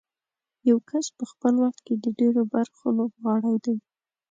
یو کس په خپل وخت کې د ډېرو برخو لوبغاړی دی.